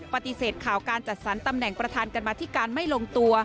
ปฏิเสธข่าวการจัดสรรตำแหน่งประธานกรรมธิการไม่ลงตัว